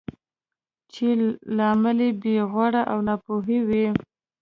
چې لامل یې بې غوري او ناپوهي وه.